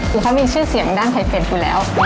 คือเขามีชื่อเสียงด้านไข่เป็ดอยู่แล้ว